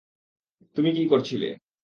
তুমি কি করছিলে?